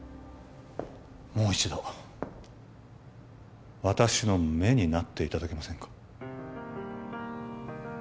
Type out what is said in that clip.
もう一度私の目になっていただけませんか？